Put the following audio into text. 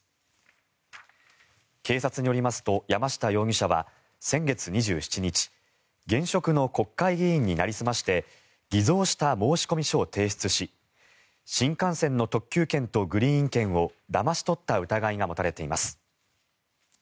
警察によりますと山下容疑者は先月２７日現職の国会議員になりすまして偽造した申込書を提出し新幹線の特急券とグリーン券をだまし取った疑いが持たれています。